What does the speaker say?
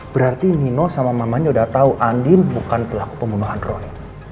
berarti nino sama mamanya udah tahu andi bukan pelaku pembunuhan roy